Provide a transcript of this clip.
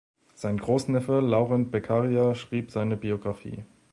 Sein Großneffe Laurent Beccaria schrieb seine Biographie.